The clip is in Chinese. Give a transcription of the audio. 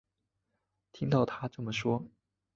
听到她这么说